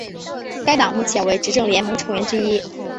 该党目前为执政联盟成员之一。